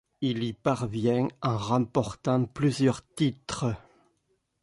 Il y parvient en remportant plusieurs titres.